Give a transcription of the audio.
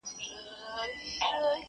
یو تر بله ښه پاخه انډيوالان وه,